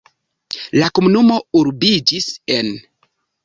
La komunumo urbiĝis en.